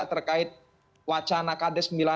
terkait wacana kd